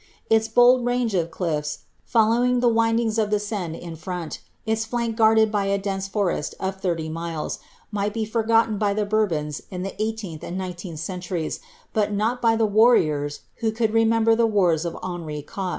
Its bold range of cliils, following the windings of the Seine in »t, its flank guarded by a dense forest of thirty miles, might be for »ltea by the Bourbons of the 18th and 19th centuries, but not by the irrion who could remember the wars of Henri Qiiatre.